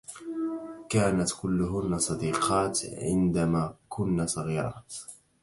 كانت كلّهنّ صديقات عندما كنّ صغيرات.